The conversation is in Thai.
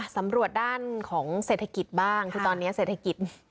สำรวจด้านของเศรษฐกิจบ้างคือตอนนี้เศรษฐกิจ